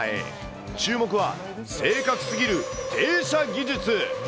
注目は、正確すぎる停車技術。